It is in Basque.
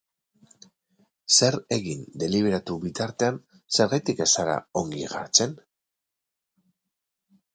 Zer egin deliberatu bitartean, zergatik ez zara ongi jartzen?